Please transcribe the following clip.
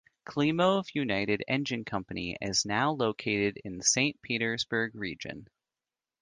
Klimov United Engine Company is now located in Saint-Petersburg region.